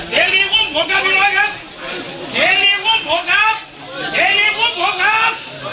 เจลิอุ้มผมครับพี่น้องครับเจลิอุ้มผมครับเจลิอุ้มผมครับ